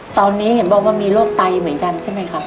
ตอนนี้เห็นบอกว่ามีโรคไตเหมือนกันใช่ไหมคะ